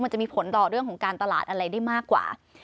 มันจะมีผลต่อเรื่องของการตลาดอะไรได้มากกว่า